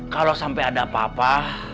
kalau sampai ada apa apa